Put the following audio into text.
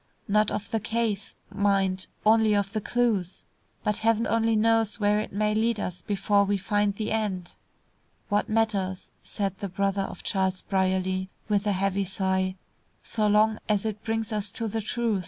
Not of the case, mind; only of the clues. But heaven only knows where it may lead us before we find the end." "What matters," said the brother of Charles Brierly, with a heavy sigh, "so long as it brings us to the truth!"